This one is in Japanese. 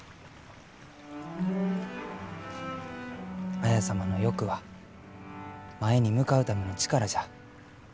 綾様の欲は前に向かうための力じゃ。